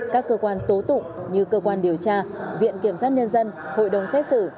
các cơ quan tố tụng như cơ quan điều tra viện kiểm sát nhân dân hội đồng xét xử